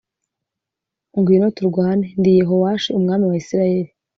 ngwino turwane ndi Yehowashi umwami wa Isirayeli